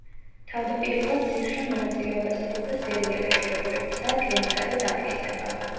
თავდაპირველად სირშა მონაწილეობას იღებდა სერიალებში, როგორებიცაა „კლინიკა“ და „დამტკიცება“.